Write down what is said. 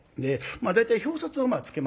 大体表札をつけます。